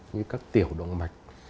như các tiểu động mạch